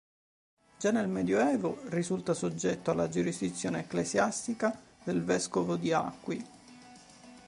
Già nel medioevo risulta soggetto alla giurisdizione ecclesiastica del vescovo di Acqui.